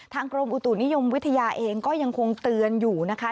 กรมอุตุนิยมวิทยาเองก็ยังคงเตือนอยู่นะคะ